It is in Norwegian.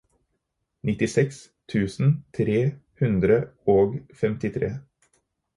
nittiseks tusen tre hundre og femtitre